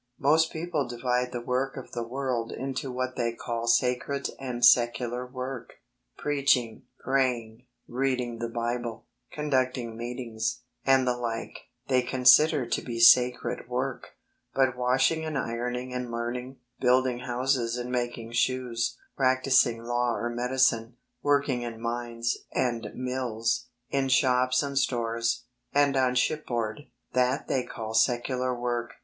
Most people divide the work of the world into what they call sacred and secular work. Preaching, praying, reading the Bible, con ducting Meetings, and the like, they consider to be sacred work ; but washing and ironing and learning, building houses and making shoes, practising law or medicine, working in mines and mills, in shops and stores, and on shipboard, that they call secular work.